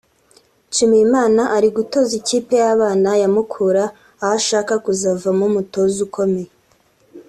Nshimiyimana ari gutoza ikipe y’abana ya Mukura aho ashaka kuzavamo umutoza ukomeye